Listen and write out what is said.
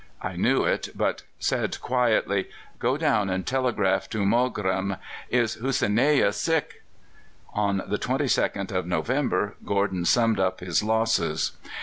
I knew it, but said quietly, 'Go down and telegraph to Mogrim, "Is Hussineyeh sick?"'" On the 22nd of November Gordon summed up his losses.